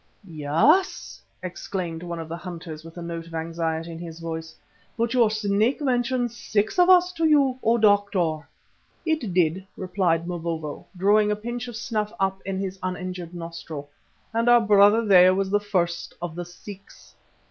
"Yes," exclaimed one of the hunters with a note of anxiety in his voice, "but your Snake mentioned six of us to you, O doctor!" "It did," replied Mavovo, drawing a pinch of snuff up his uninjured nostril, "and our brother there was the first of the six.